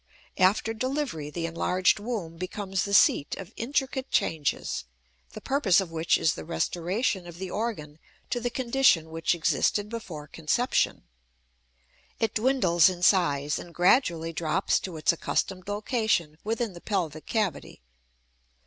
After delivery, the enlarged womb becomes the seat of intricate changes, the purpose of which is the restoration of the organ to the condition which existed before conception. It dwindles in size, and gradually drops to its accustomed location within the pelvic cavity.